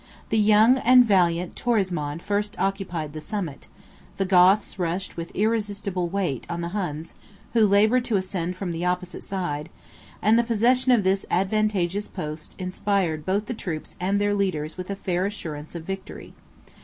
The young and valiant Torismond first occupied the summit; the Goths rushed with irresistible weight on the Huns, who labored to ascend from the opposite side: and the possession of this advantageous post inspired both the troops and their leaders with a fair assurance of victory.